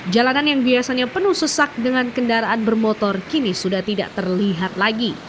jalanan yang biasanya penuh sesak dengan kendaraan bermotor kini sudah tidak terlihat lagi